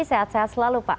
sehat sehat selalu pak